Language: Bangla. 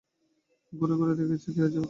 ঘুরে ঘেরে দেখছি, হয়ে যাবে, ভয় কী।